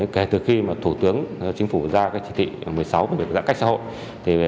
kể từ khi thủ tướng chính phủ ra chỉ thị một mươi sáu về giãn cách xã hội